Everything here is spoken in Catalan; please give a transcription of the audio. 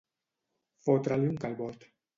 Fotre-li un calbot.